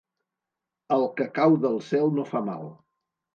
El que cau del cel no fa mal.